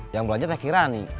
yang belanja teh kirani